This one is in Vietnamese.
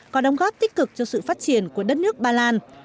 có đóng góp tích cực cho sự phát triển của đất nước ba lan